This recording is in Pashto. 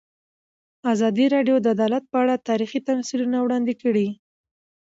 ازادي راډیو د عدالت په اړه تاریخي تمثیلونه وړاندې کړي.